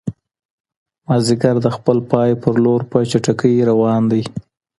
مازیګر د خپل پای په لور په چټکۍ روان دی.